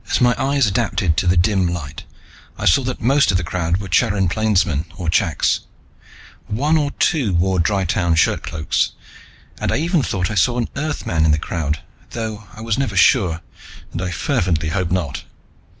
As my eyes adapted to the dim light, I saw that most of the crowd were Charin plainsmen or chaks. One or two wore Dry town shirtcloaks, and I even thought I saw an Earthman in the crowd, though I was never sure and I fervently hope not.